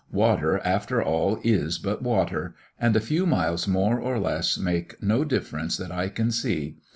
Water, after all, is but water; and a few miles, more or less, make no difference that I can see.